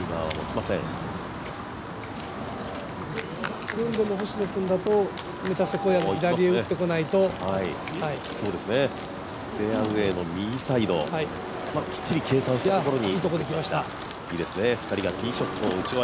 スプーンでも、星野君だとメタセコイアの左側を打ってこないとフェアウエーの右サイド、きっちり計算したところに。